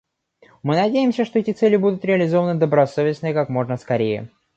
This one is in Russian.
Мы надеемся, что эти цели будут реализованы добросовестно и как можно скорее.